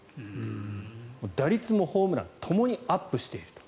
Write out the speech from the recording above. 打率もホームランもともにアップしていると。